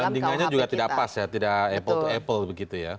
jadi pembandingannya juga tidak pas ya tidak apple to apple begitu ya